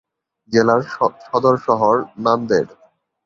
জেলার সদর শহর নান্দেড়।